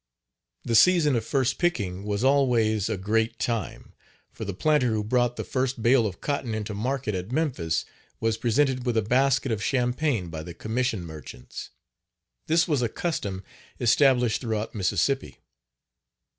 The season of first picking was always a great time, for the planter who brought the first bale of cotton into market at Memphis was presented with a basket of champagne by the commission merchants. This was a custom established throughout Mississippi.